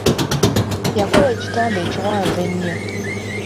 Yakola ekitanda ekiwanvu ennyo.